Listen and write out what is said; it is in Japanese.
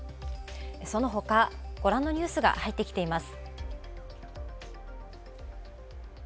そのほか、ご覧のようなニュースが入ってきています。